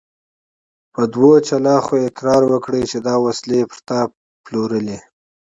په دوو قمچينو يې اقرار وکړ چې دا وسلې يې پر تا پلورلې!